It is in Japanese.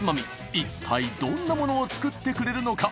いったいどんなものを作ってくれるのか？